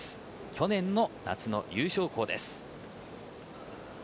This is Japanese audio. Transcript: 去年の夏の優勝校です。